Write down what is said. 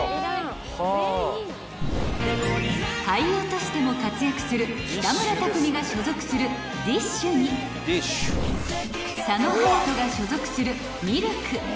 ［俳優としても活躍する北村匠海が所属するＤＩＳＨ／／に佐野勇斗が所属するＭ！